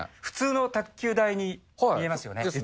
普通の卓球台に見えますよね。